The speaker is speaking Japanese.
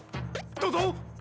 どうぞ！